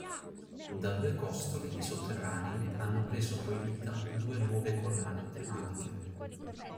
Da due costole di Sotterranei hanno preso poi vita due nuove collane tematiche.